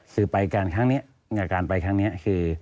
คือไปครั้งนี้งานไปครั้งเนี่ยคือ